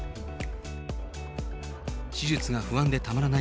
手術が不安でたまらない